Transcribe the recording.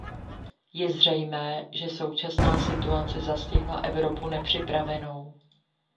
Je zřejmé, že současná situace zastihla Evropu nepřipravenou.